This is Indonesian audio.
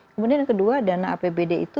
kemudian yang kedua dana apbd itu